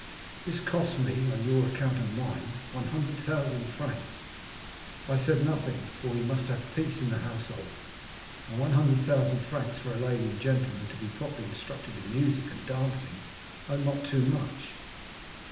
This cost me, on your account and mine, 100,000 francs. I said nothing, for we must have peace in the house; and 100,000 francs for a lady and gentleman to be properly instructed in music and dancing are not too much.